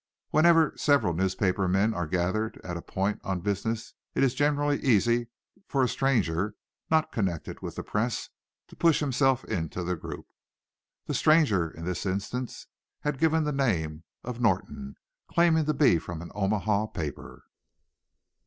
Wherever several newspaper men are gathered at a point on business it is generally easy for a stranger, not connected with the press, to push himself into the group. The stranger, in this instance, had given the name of Norton, claiming to be from an Omaha paper.